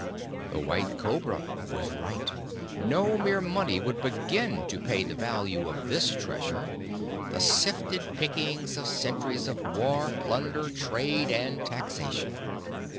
The White Cobra was right. No mere money would begin to pay the value of this treasure, the sifted pickings of centuries of war, plunder, trade, and taxation.